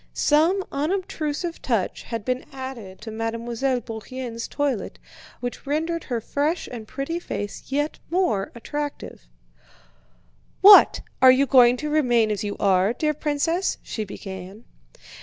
Some unobtrusive touch had been added to Mademoiselle Bourienne's toilet which rendered her fresh and pretty face yet more attractive. "What! Are you going to remain as you are, dear princess?" she began.